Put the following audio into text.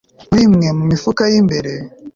muri imwe mu mifuka y'imbere